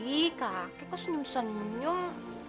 ih kaki kok senyum senyum